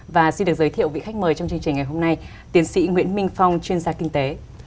và xin được giới thiệu vị khách mời trong chương trình ngày hôm nay tiến sĩ nguyễn minh phong chuyên gia kinh tế